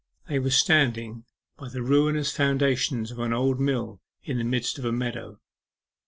They were standing by the ruinous foundations of an old mill in the midst of a meadow.